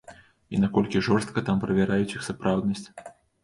І наколькі жорстка там правяраюць іх сапраўднасць.